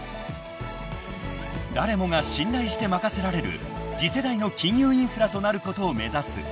［誰もが信頼して任せられる次世代の金融インフラとなることを目指す］